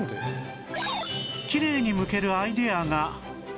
きれいにむけるアイデアが